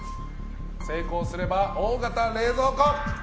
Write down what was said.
成功すれば大型冷蔵庫。